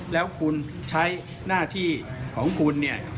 แล้วคุณใช้หน้าที่ของคุณเนี่ย